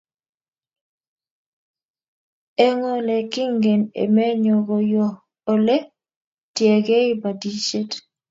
Eng' ole kingen emenyo ko yoo ole tiegei batishet